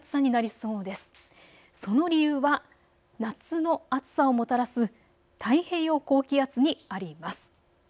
その理由は夏の暑さをもたらす太平洋高気圧にあります。